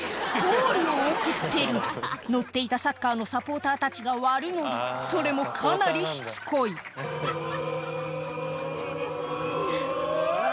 コールを送ってる乗っていたサッカーのサポーターたちが悪ノリそれもかなりしつこいオエイ！